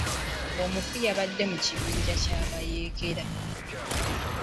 Omufu yabadde mu kibinja ky'abayeekera.